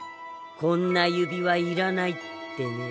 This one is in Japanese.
「こんな指輪いらない」ってね。